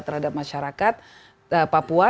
terhadap masyarakat papua